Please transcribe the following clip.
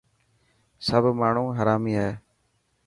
سب ماڻهو هرامي هي.